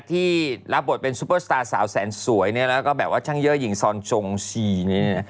ที่รับบทเป็นซุปเปอร์สตาร์สาวแสนสวยเนี่ยแล้วก็แบบว่าช่างเยอะหญิงซอนจงชีเนี่ย